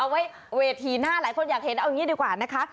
ไว้เวทีหน้าหลายคนอยากเห็นเอาอย่างนี้ดีกว่านะคะ